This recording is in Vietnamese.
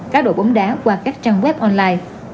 cá đồ bóng đá qua các trang web online